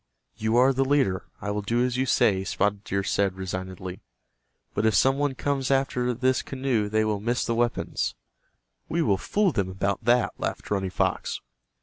"You are the leader, I will do as you say," Spotted Deer said, resignedly. "But if some one comes after this canoe they will miss the weapons." "We will fool them about that," laughed Running Fox.